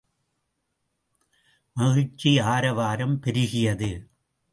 மகிழ்ச்சி ஆரவாரம் பெருகியது.